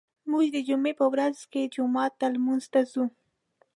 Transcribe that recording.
موږ د جمعې په ورځو کې جومات ته لمونځ ته ځو.